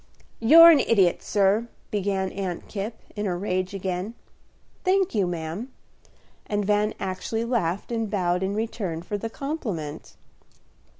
"You're an idiot, sir," began Aunt Kipp, in a rage again. "Thank you, ma'am." And Van actually laughed and bowed in return for the compliment.